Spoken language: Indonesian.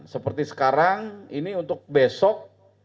seperti sekarang ini untuk besok